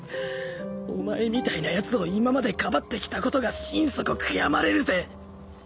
お前みたいなやつを今までかばってきたことが心底悔やまれるぜ。